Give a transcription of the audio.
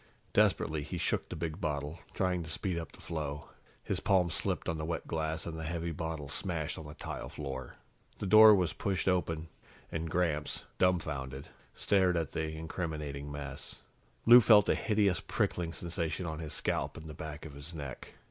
Desperately, he shook the big bottle, trying to speed up the flow. His palms slipped on the wet glass, and the heavy bottle smashed on the tile floor. The door was pushed open, and Gramps, dumbfounded, stared at the incriminating mess. Lou felt a hideous prickling sensation on his scalp and the back of his neck.